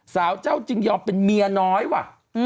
สาวเจ้าจึงยอมเป็นเมียน้อยว่ะ